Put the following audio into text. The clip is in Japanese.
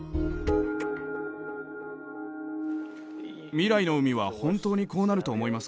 未来の海は本当にこうなると思いますか？